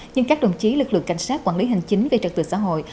nhưng các đồng chí lực lượng cảnh sát quản lý hành chính về trật tự xã hội